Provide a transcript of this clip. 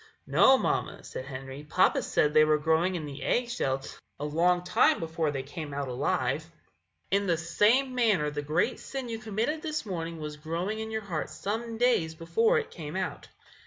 "No, mamma," said Henry; "papa said they were growing in the egg shell a long time before they came out alive." Mrs. Fairchild. "In the same manner the great sin you committed this morning was growing in your heart some days before it came out."